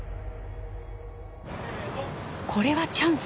これはチャンス。